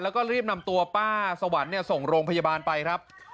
แล้วก็รีบนำตัวป้าสวรรค์ส่งโรงพยาบาลไปครับ